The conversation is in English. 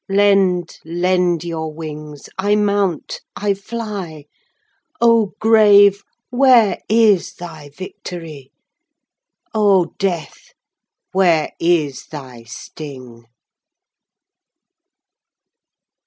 15 Lend, lend your wings! I mount! I fly! O Grave! where is thy victory? O Death! where is thy sting?